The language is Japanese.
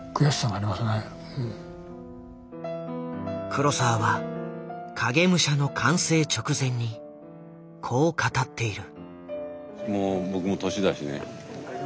黒澤は「影武者」の完成直前にこう語っている。